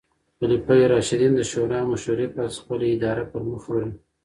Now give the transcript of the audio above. خلفای راشدین د شورا او مشورې په اساس خپله اداره پر مخ وړله.